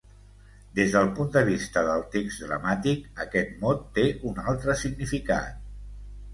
Des del punt de vista del text dramàtic aquest mot té un altre significat.